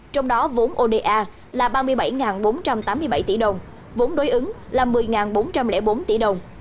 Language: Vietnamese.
trong đó vốn oda là ba mươi bảy bốn trăm tám mươi bảy tỷ đồng vốn đối ứng là một mươi bốn trăm linh bốn tỷ đồng